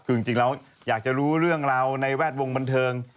คือจริงแล้วอยากจะรู้เรื่องราวในแวดวงบันเทิง